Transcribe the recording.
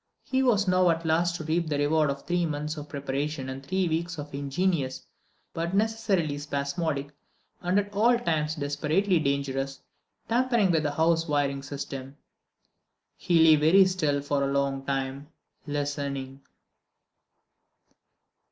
He was now at last to reap the reward of three months of preparation and three weeks of ingenious, but necessarily spasmodic, and at all times desperately dangerous, tampering with the house wiring system. He lay very still for a long time, listening